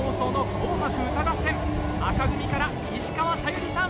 紅組から石川さゆりさん。